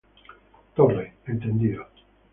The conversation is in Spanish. Torre: Entendido.